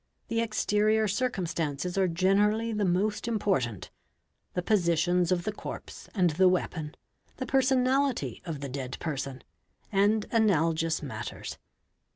The exterior prcumetances are generally the most important—the positions of the corpse and the weapon, the personality of the dead person, and analogous Matters.